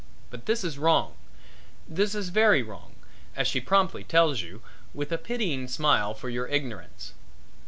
But this is wrong this is very wrong, as she tells you promptly, with a pitying smile for your ignorance.